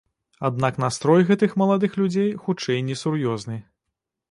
Аднак настрой гэтых маладых людзей хутчэй несур'ёзны.